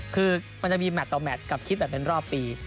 คือมันจะมีแมทต่อแมทกับคิดแบบเป็นรอบปี